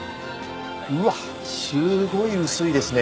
うわっすごい薄いですね。